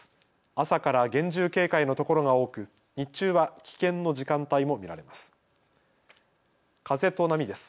朝から厳重警戒の所が多く日中は危険の時間帯も見られます。